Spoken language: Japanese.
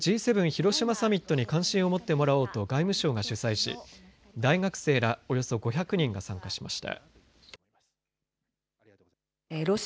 広島サミットに関心を持ってもらおうと外務省が主催し大学生らおよそ５００人が参加しました。